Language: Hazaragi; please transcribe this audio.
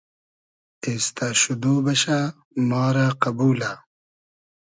اېستۂ شودۉ بئشۂ ما رۂ قئبولۂ